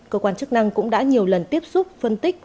cơ quan chức năng cũng đã nhiều lần tiếp xúc phân tích